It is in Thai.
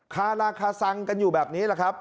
คาราคาซังกันอยู่แบบนี้แหละครับ